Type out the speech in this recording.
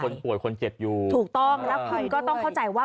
คนป่วยคนเจ็บอยู่ถูกต้องแล้วคุณก็ต้องเข้าใจว่า